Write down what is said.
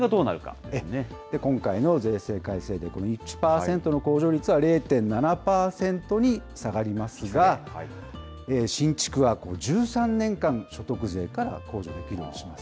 今回の税制改正で、この１％の控除率は０．７％に下がりますが、新築は１３年間所得税から控除できるようにします。